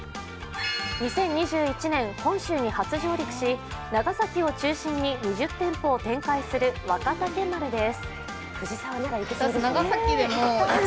２０２１年、本州に初上陸し、長崎を中心に２０店舗を展開する若竹丸です。